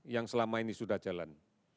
yang selama ini sudah jalan